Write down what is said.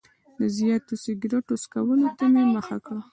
د زیاتو سګرټو څکولو ته مې مخه کړه.